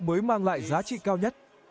mới mang lại giá trị cao nhất